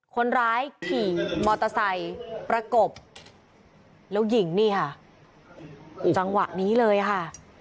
คนร้ายขี่มอเตอร์ไซค์ประกบแล้วยิงนี่ค่ะจังหวะนี้เลยค่ะ